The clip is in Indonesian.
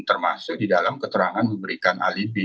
termasuk di dalam keterangan memberikan alibi